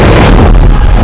jangan menghasut rakyatmu